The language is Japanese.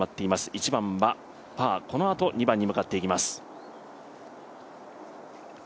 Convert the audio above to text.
１番はパー、このあと２番に向かっていきます。